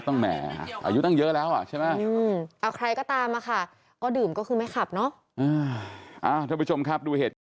ขึ้นสีแดงติ๊ด๑๘๖บาท